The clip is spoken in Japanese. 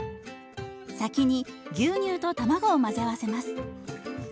先に牛乳と卵を混ぜ合わせます。